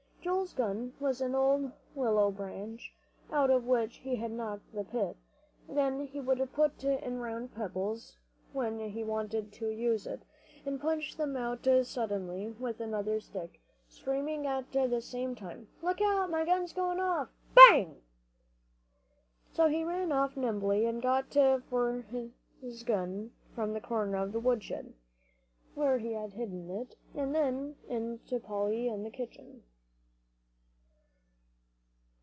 Joel's gun was an old willow branch out of which he had knocked the pith; then he would put in round pebbles, when he wanted to use it, and punch them out suddenly with another stick, screaming out at the same time, "Look out, my gun's going off. Bang!" So he ran off nimbly and got his gun from the corner of the woodshed, where he had hidden it, and then in to Polly in the kitchen.